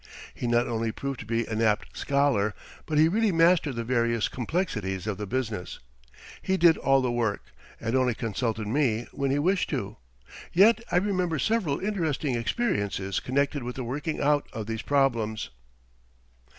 He not only proved to be an apt scholar, but he really mastered the various complexities of the business. He did all the work, and only consulted me when he wished to; yet I remember several interesting experiences connected with the working out of these problems.